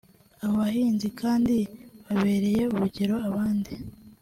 Aba bahinzi kandi babereye n’urugero abandi